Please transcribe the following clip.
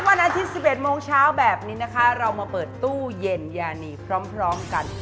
วันอาทิตย์๑๑โมงเช้าแบบนี้นะคะเรามาเปิดตู้เย็นยานีพร้อมกัน